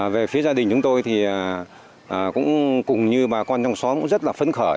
về phía gia đình chúng tôi thì cũng cùng như bà con trong xóm cũng rất là phấn khởi